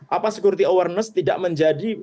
apa security awareness tidak menjadi